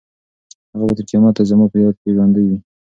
هغه به تر قیامته زما په یاد کې ژوندۍ وي.